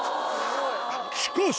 しかし。